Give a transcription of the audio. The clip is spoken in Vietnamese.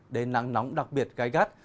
đến nắng nóng đặc biệt gai gắt